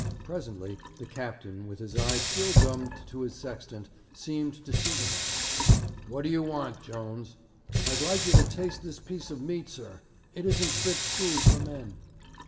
Presently, the captain, with his eye still gummed to his sextant, seemed to see the man. 'What d'yer want, Jones?' 'I'd like yer to taste this piece of meat, sir. It isn't fit food for men.'